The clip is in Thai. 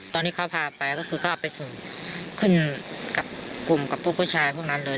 ตอนที่เขาพาไปก็คือเขาเอาไปส่งขึ้นกับกลุ่มกับพวกผู้ชายพวกนั้นเลย